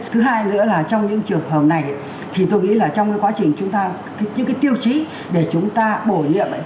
thứ hai nữa là trong những trường hợp này thì tôi nghĩ là trong cái quá trình chúng ta những cái tiêu chí để chúng ta bổ nhiệm